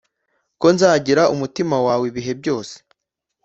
ko nzagira umutima wawe ibihe byose